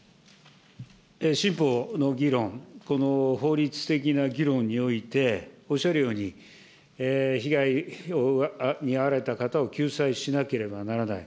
新法の議論、この法律的な議論において、おっしゃるように、被害に遭われた方を救済しなければならない。